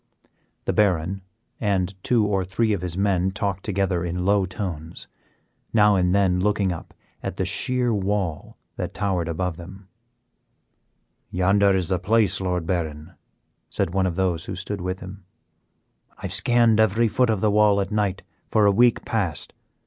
The Baron and two or three of his men talked together in low tones, now and then looking up at the sheer wall that towered above them. "Yonder is the place, Lord Baron," said one of those who stood with him. "I have scanned every foot of the wall at night for a week past.